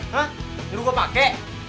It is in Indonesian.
hah ini lu mau pake